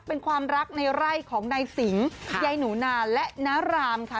เป็นความรักในไร่ของนายสิงยายหนูนาและนารามค่ะ